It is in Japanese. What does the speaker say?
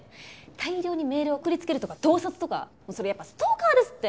大量にメール送りつけるとか盗撮とかそれやっぱストーカーですって！